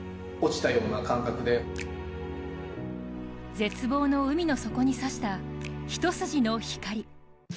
絶望の海の底に差した一筋の光。